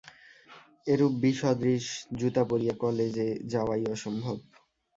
এরূপ বিসদৃশ জুতা পরিয়া কলেজে যাওয়াই অসম্ভব।